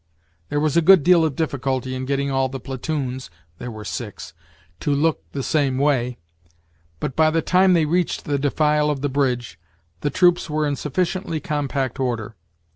There was a good deal of difficulty in getting all the platoons (there were six) to look the same way; but, by the time they reached the defile of the bridge, the troops were in sufficiently compact order.